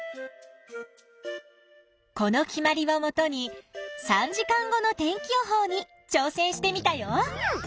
この決まりをもとに３時間後の天気予報にちょう戦してみたよ。